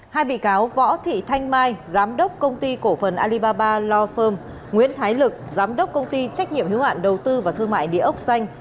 hai bị cáo võ thị thanh mai giám đốc công ty cổ phần alibaba loferm nguyễn thái lực giám đốc công ty trách nhiệm hiếu hạn đầu tư và thương mại địa ốc xanh